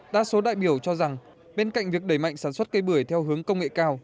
đa số đại biểu cho rằng bên cạnh việc đẩy mạnh sản xuất cây bưởi theo hướng công nghệ cao